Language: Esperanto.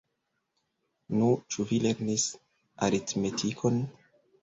Nu, ĉu vi lernis aritmetikon?